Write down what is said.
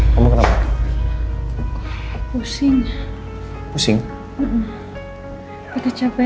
kamu kenapa pusing pusing kecapai ada masyarakat mobil